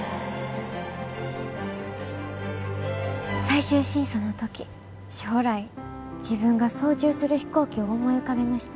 最終審査の時将来自分が操縦する飛行機を思い浮かべました。